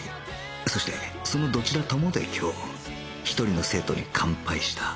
そしてそのどちらともで今日一人の生徒に完敗した